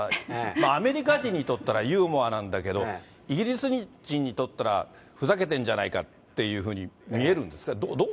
アメリカ人にとったらユーモアなんだけど、イギリス人にとったら、ふざけてんじゃないかというふうに見えるんですか？